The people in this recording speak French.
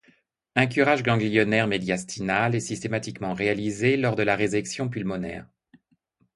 Un curage ganglionnaire médiastinal est systématiquement réalisé lors de la résection pulmonaire.